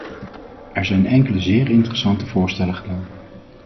Er zijn enkele zeer interessante voorstellen gedaan.